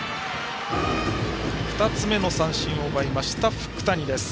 ２つ目の三振を奪いました福谷です。